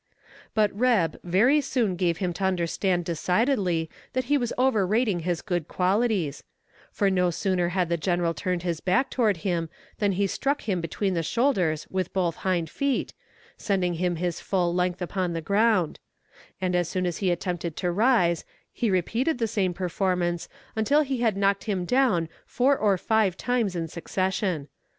But "Reb" very soon gave him to understand decidedly that he was overrating his good qualities; for no sooner had the General turned his back toward him than he struck him between the shoulders with both hind feet, sending him his full length upon the ground; and as soon as he attempted to rise he repeated the same performance until he had knocked him down four or five times in succession.